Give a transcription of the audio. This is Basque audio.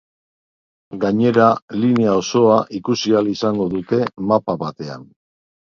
Gainera, linea osoa ikusi ahal izango dute mapa batean.